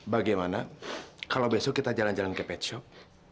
bagaimana kalau besok kita jalan jalan ke pet shop